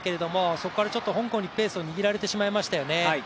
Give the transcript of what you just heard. そこからちょっと香港にペースを握られてしまいましたよね。